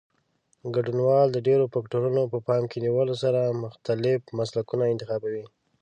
ګډونوال د ډېرو فکټورونو په پام کې نیولو سره مختلف مسلکونه انتخابوي.